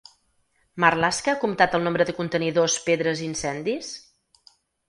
Marlaska ha comptat el nombre de contenidors, pedres i incendis?